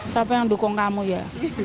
siapa yang dukung kamu ya